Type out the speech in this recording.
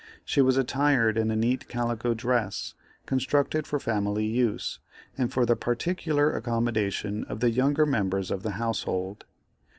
She was attired in a neat calico dress, constructed for family use, and for the particular accommodation of the younger members of the household.